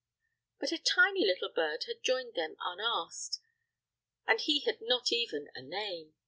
But a tiny little bird had joined them unasked, and he had not even a name.